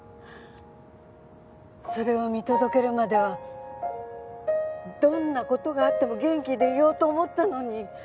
それを見届けるまではどんな事があっても元気でいようと思ったのに。